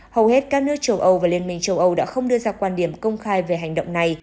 hầu hết các nước châu âu và liên minh châu âu đã không đưa ra quan điểm công khai về hành động này